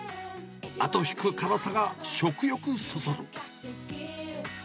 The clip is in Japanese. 後引く辛さが食欲そそる。